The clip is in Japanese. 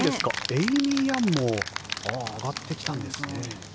エイミー・ヤンも上がってきたんですね。